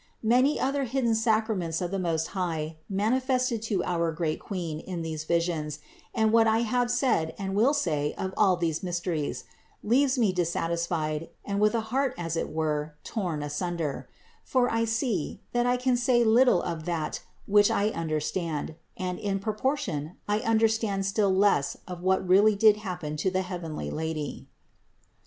44. Many other hidden sacraments the Most High mani fested to our great Queen in this vision, and what I have said and will say of all these mysteries, leaves me dissat isfied and with a heart as it were torn asunder : for I see, that I can say little of that which I understand and, in proportion, I understand still less of what really did happen to the heavenly Lady.